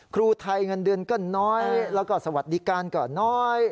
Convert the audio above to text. ครูไทยเงินเดือนก็น้อยแล้วก็สวัสดิการก็น้อย